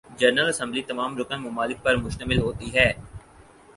general assembly تمام رکن ممالک پر مشتمل ہوتی ہے